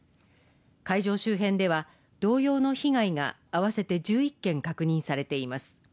会場周辺では同様の被害が合わせて１１件確認されています